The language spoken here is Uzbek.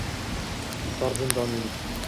tor zindonning